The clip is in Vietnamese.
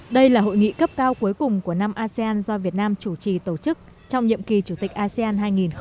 đây là hội nghị cấp cao cuối cùng của năm asean do việt nam chủ trì tổ chức trong nhiệm kỳ chủ tịch asean hai nghìn hai mươi